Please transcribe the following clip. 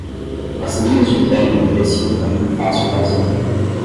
As linhas de trem ofereciam um caminho fácil para seguir.